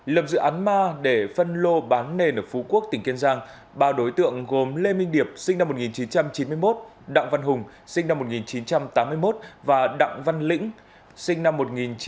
lập dự án ma để phân lô bán nền ở phú quốc tỉnh kiên giang ba đối tượng gồm lê minh điệp sinh năm một nghìn chín trăm chín mươi một đặng văn hùng sinh năm một nghìn chín trăm tám mươi một và đặng văn lĩnh sinh năm một nghìn chín trăm tám mươi